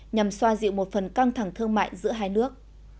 nhằm xoa dịu một phần căng thẳng thương mại giữa hai nước